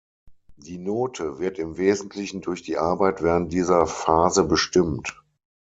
Die Note wird im Wesentlichen durch die Arbeit während dieser Phase bestimmt.